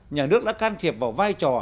nhà nước đã can thiệp vào vai trò